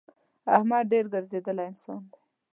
احمد ډېر ګرځېدلی انسان دی.